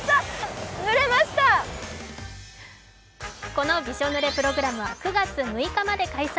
このびしょ濡れプログラムは９月６日まで開催。